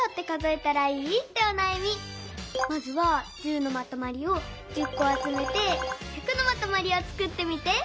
まずは１０のまとまりを１０こあつめて「１００」のまとまりをつくってみて。